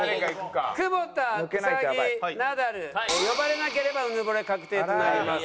久保田兎ナダル呼ばれなければうぬぼれ確定となります。